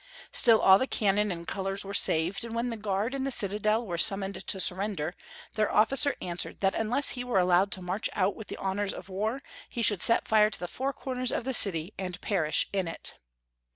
Still all the cannon and colors were saved, and when the guard in the citadel were summoned to surrender, their officer answered that unless he were allowed to march out with the honors of war, he should set fire to the four corners of the city, and perish in it.